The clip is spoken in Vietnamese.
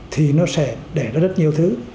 thì nó sẽ để rất nhiều thứ